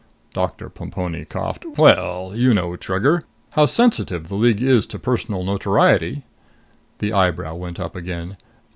Doctor Plemponi coughed. "Well, you know, Trigger, how sensitive the League is to personal notoriety." The eyebrow went up again.